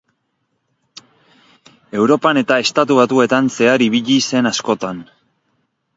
Europan eta Estatu Batuetan zehar ibili zen askotan.